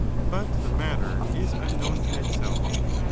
But the matter is unknown in itself.